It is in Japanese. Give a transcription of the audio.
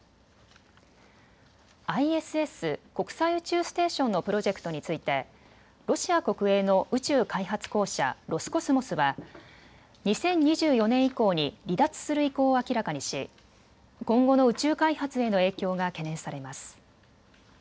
ＩＳＳ・国際宇宙ステーションのプロジェクトについてロシア国営の宇宙開発公社、ロスコスモスは２０２４年以降に離脱する意向を明らかにし今後の宇宙開発への影響が懸念されます。